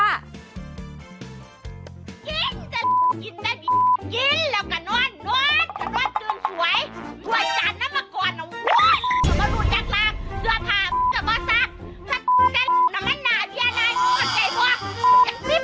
กินเจ้ากินได้